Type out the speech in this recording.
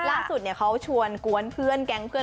ล่าท้วงเนี้ยเนี้ยเขาชวนกวนเพื่อนแก๊งเพื่อน